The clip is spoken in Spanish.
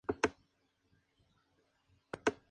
Es una planta trepadora, posee tallos glabros ramificados.